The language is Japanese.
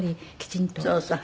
そうそう。